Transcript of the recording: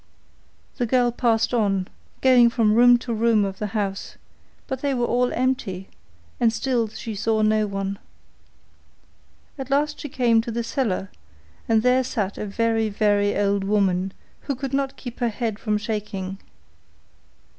The girl passed on, going from room to room of the house, but they were all empty, and still she saw no one. At last she came to the cellar, and there sat a very, very old woman, who could not keep her head from shaking.